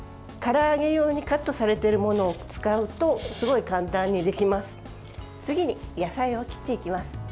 から揚げ用にカットされているものを使うとすごい簡単にできます。